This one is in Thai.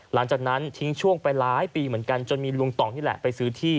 หลังจากนั้นทิ้งช่วงไปหลายปีเหมือนกันจนมีลุงต่องนี่แหละไปซื้อที่